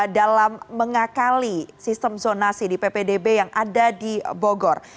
dalam mengakali sistem zonasi di ppdb yang ada di bogor